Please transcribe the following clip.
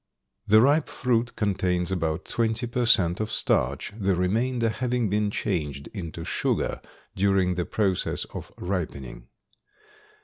The ripe fruit contains about twenty per cent of starch, the remainder having been changed into sugar during the process of ripening.